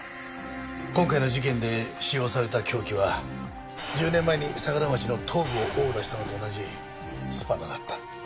今回の事件で使用された凶器は１０年前に桜町の頭部を殴打したのと同じスパナだった。